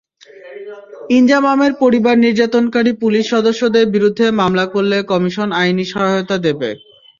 ইনজামামের পরিবার নির্যাতনকারী পুলিশ সদস্যদের বিরুদ্ধে মামলা করলে কমিশন আইনি সহায়তা দেবে।